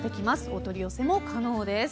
お取り寄せも可能です。